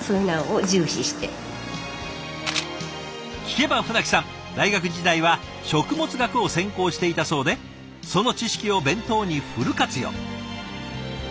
聞けば舩木さん大学時代は食物学を専攻していたそうでその知識を弁当にフル活用。